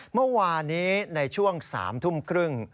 เมื่อวานนี้ในช่วง๓ทุ่มครึ่ง